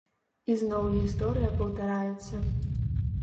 І зноў гісторыя паўтараецца.